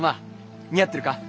似合ってるか。